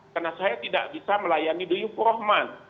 karena saya tidak bisa melayani dhu yufur rahman